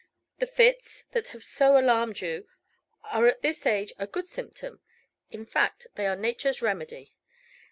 The fits, that have so alarmed you, are at this age a good symptom; in fact, they are Nature's remedy.